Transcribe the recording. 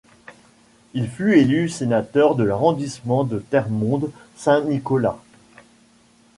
Il fut élu sénateur de l'arrondissement de Termonde-Saint-Nicolas.